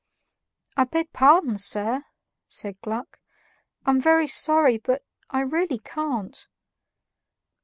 "I beg pardon, sir," said Gluck, "I'm very sorry, but, I really can't."